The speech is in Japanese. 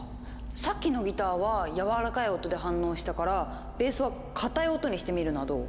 さっきのギターはやわらかい音で反応したからベースは硬い音にしてみるのはどう？